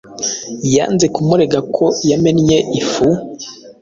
yanze kumurega ko yamennye ifu,